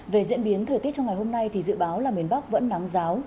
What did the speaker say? về diễn biến thời tiết trong ngày hôm nay thì dự báo là miền bắc vẫn nắng giáo